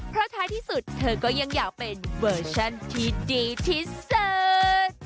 เพราะท้ายที่สุดเธอก็ยังอยากเป็นเวอร์ชันที่ดีที่สุด